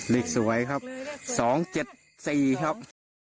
เลขสวยครับ๒๗๔ครับ